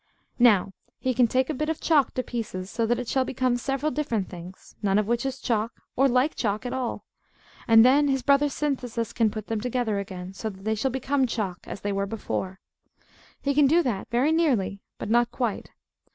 Now he can take a bit of chalk to pieces, so that it shall become several different things, none of which is chalk, or like chalk at all. And then his brother Synthesis can put them together again, so that they shall become chalk, as they were before. He can do that very nearly, but not quite.